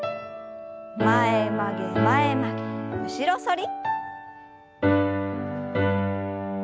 前曲げ前曲げ後ろ反り。